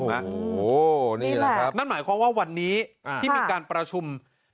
นี่แหละครับนั่นหมายความว่าวันนี้ที่มีการประชุม